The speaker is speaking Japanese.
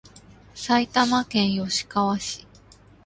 埼玉県吉川市